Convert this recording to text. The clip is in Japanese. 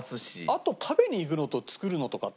あと食べに行くのと作るのとかってまた違う。